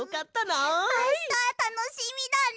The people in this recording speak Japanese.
あしたたのしみだね！